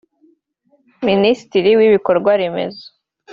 Minisitiri w’Ibikorwa remezo